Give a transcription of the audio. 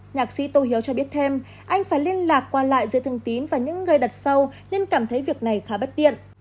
nhạc sĩ tô hiếu cho biết thêm anh phải liên lạc qua lại giữa thương tín và những người đặt sâu nên cảm thấy việc này khá bất tiện